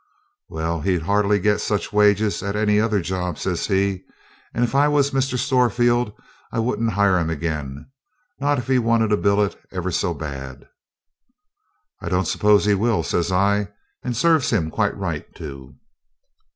'Well, he'll hardly get such wages at any other job,' says he, 'and if I was Mr. Storefield I wouldn't hire him again, not if he wanted a billet ever so bad.' 'I don't suppose he will,' says I, 'and serves him quite right too.'